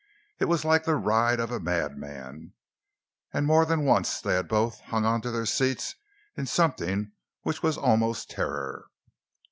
It was like the ride of madmen, and more than once they had both hung on to their seats in something which was almost terror.